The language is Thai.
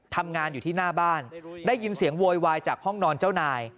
ทำงานอยู่ที่หน้าบ้านได้ยินเสียงโวยวายจากห้องนอนเจ้านาย